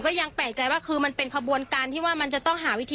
คือเราก็ครั้งแรกไว้ที่๓๐บาท